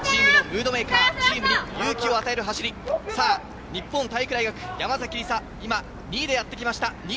チームに勇気を与える走り、日本体育大学の山崎りさ、今、２位でやってきました。